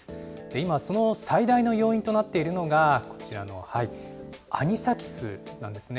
今、その最大の要因となっているのがこちらのアニサキスなんですね。